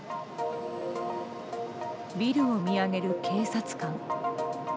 ビルを見上げる警察官。